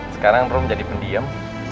sekarang rum jadi pendiam